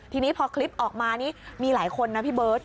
ทีนี้พอคลิปออกมานี่มีหลายคนนะพี่เบิร์ต